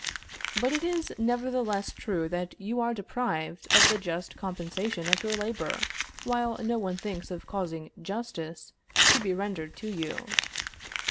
But it is nevertheless true that you are deprived of the just compensation of your labor, while no one thinks of causing justice to be rendered to you.